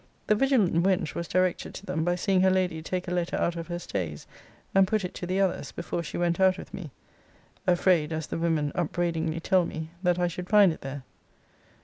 The vigilant wench was directed to them by seeing her lady take a letter out of her stays, and put it to the others, before she went out with me afraid, as the women upbraidingly tell me, that I should find it there.